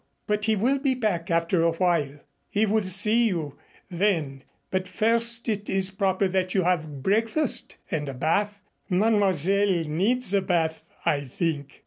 But he will be back after a while. He will see you, then, but first it is proper that you have breakfast and a bath. Mademoiselle needs a bath I think."